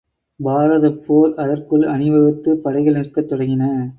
பாரதப் போர் அதற்குள் அணிவகுத்துப் படைகள் நிற்கத் தொடங்கின.